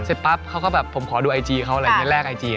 เสร็จปั๊บเขาก็แบบผมขอดูไอจีเขาอะไรอย่างนี้แรกไอจี